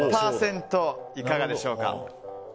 いかがでしょうか。